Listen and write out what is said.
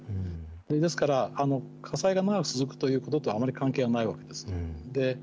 ですから火災が長く続くということとあまり関係がないわけです。